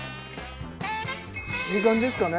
いい感じですかね？